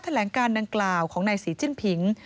แถลงการดังกล่าวของนายศรีจิ้นผิง